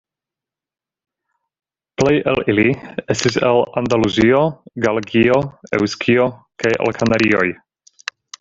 Plej el ili estis el Andaluzio, Galegio, Eŭskio kaj el Kanarioj.